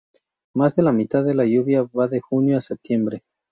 Más de la mitad de la lluvia va de junio a septiembre.